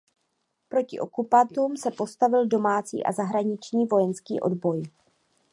Proti okupantům se postavil domácí a zahraniční vojenský odboj.